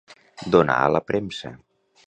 Donar a la premsa.